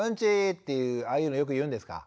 ああいうのよく言うんですか？